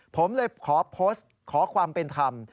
ผมเลยขอโพสต์ขอความเป็นธรรม